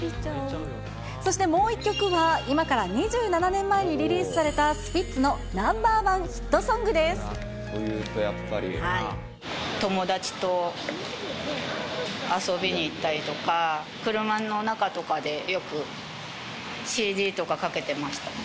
そしてもう１曲は、今から２７年前にリリースされたスピッツのナンバー１ヒットソン友達と遊びに行ったりとか、車の中とかでよくＣＤとかかけてました。